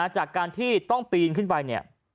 จากการที่ต้องปีนขึ้นไป